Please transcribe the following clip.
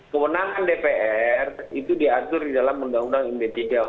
kewenangan dpr itu diatur di dalam undang undang md tiga